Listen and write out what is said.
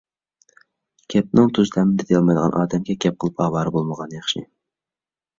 گەپنىڭ تۇز تەمىنى تېتىيالمايدىغان ئادەمگە گەپ قىلىپ ئاۋارە بولمىغان ياخشى.